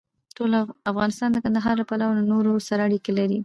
افغانستان د کندهار له پلوه له نورو سره اړیکې لري.